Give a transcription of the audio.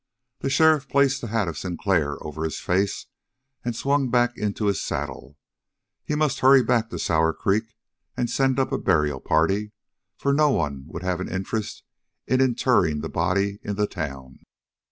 The sheriff placed the hat of Sinclair over his face and swung back into his saddle; he must hurry back to Sour Creek and send up a burial party, for no one would have an interest in interring the body in the town.